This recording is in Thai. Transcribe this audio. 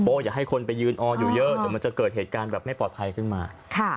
อย่าให้คนไปยืนอออยู่เยอะเดี๋ยวมันจะเกิดเหตุการณ์แบบไม่ปลอดภัยขึ้นมา